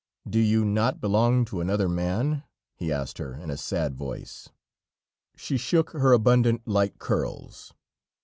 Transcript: "Do you not belong to another man?" he asked her in a sad voice. She shook her abundant, light curls.